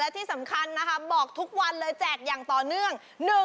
ที่สำคัญนะคะบอกทุกวันเลยแจกอย่างต่อเนื่อง